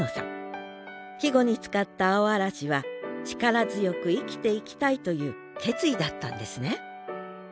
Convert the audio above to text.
季語に使った「青嵐」は力強く生きていきたいという決意だったんですね。